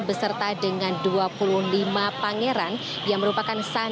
beserta dengan dua puluh lima pangeran yang merupakan